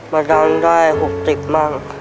มาดังได้หกสิบบ้าง